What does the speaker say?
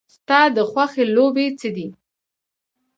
ستا د خوښې لوبې څه دي؟